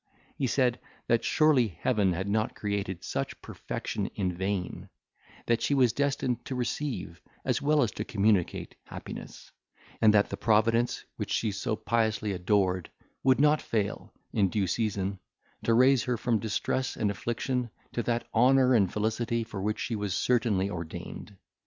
He said, that surely Heaven had not created such perfection in vain; that she was destined to receive as well as to communicate happiness; and that the Providence, which she so piously adored, would not fail, in due season, to raise her from distress and affliction, to that honour and felicity for which she was certainly ordained.